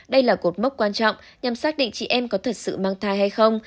đây là cột mốc quan trọng nhằm xác định chị em có thật sự mang thai hay không